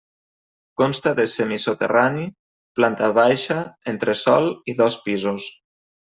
Consta de semisoterrani, planta baixa, entresòl i dos pisos.